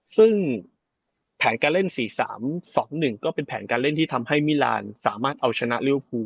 ซึ่งแผนการเล่นสี่สามสองหนึ่งก็เป็นแผนการเล่นที่ทำให้มิรานสามารถเอาชนะเรียวภู